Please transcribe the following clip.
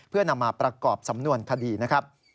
เพื่อนำมาประกอบสำนวนคดีนะครับ